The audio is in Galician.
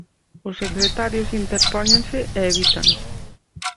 Os secretarios interpóñense e evítano.